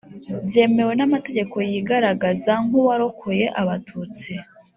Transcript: byemewe n'amategeko yigaragaza nk'uwarokoye abatutsi